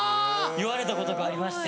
言われたことがありまして。